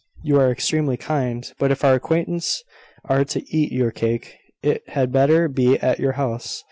"You are extremely kind: but if our acquaintance are to eat your cake, it had better be at your house.